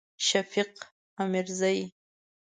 شفیق امیرزی